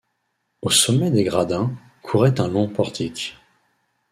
Au sommet des gradins courait un long portique.